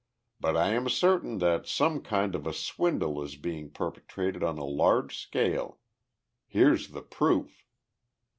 "But I am certain that some kind of a swindle is being perpetrated on a large scale. Here's the proof!"